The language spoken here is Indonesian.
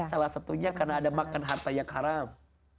salah satunya karena ada makan harta yang haram